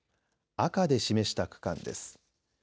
赤で示した区間です。